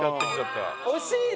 惜しいね！